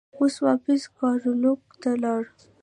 اور واپس ګارلوک ته لاړ.